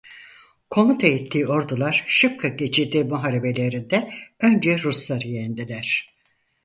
Komuta ettiği ordular Şıpka Geçidi Muharebeleri'nde önce Rusları yendiler.